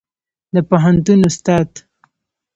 د پوهنتون استاد